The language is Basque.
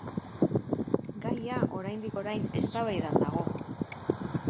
Gaia oraindik orain eztabaidan dago.